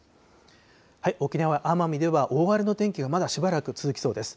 沖縄・奄美では大荒れの天気がまだしばらく続きそうです。